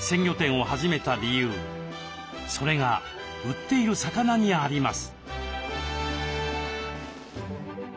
それが売っている魚にあります。